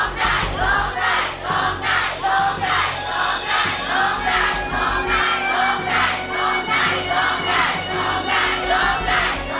โลกใจโลกใจโลกใจโลกใจ